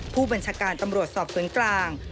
ผู้บัญชาการตำรวจสอบสวนกลาง